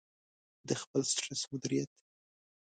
-د خپل سټرس مدیریت